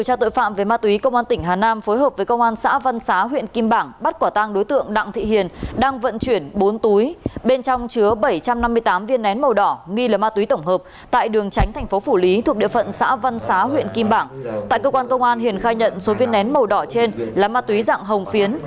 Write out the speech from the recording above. cơ quan công an hiện khai nhận số viên nén màu đỏ trên là ma túy dạng hồng phiến